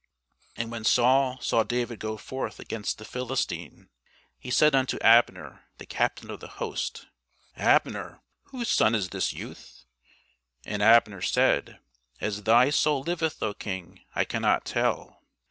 And when Saul saw David go forth against the Philistine, he said unto Abner, the captain of the host, Abner, whose son is this youth? And Abner said, As thy soul liveth, O King, I cannot tell.